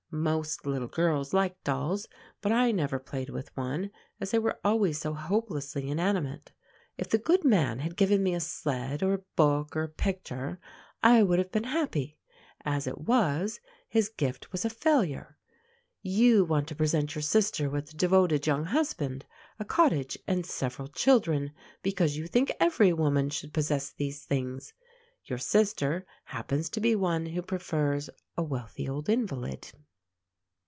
Most little girls like dolls, but I never played with one, as they were always so hopelessly inanimate. If the good man had given me a sled, or a book, or a picture, I would have been happy. As it was, his gift was a failure. You want to present your sister with a devoted young husband, a cottage, and several children, because you think every woman should possess these things. Your sister happens to be one who prefers a wealthy old invalid.